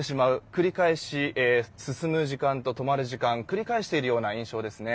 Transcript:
繰り返し進む時間と止まる時間を繰り返しているような印象です。